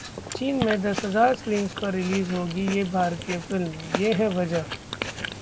चीन में दस हजार स्क्रीन्स पर रिलीज होगी ये भारतीय फिल्म, ये है वजह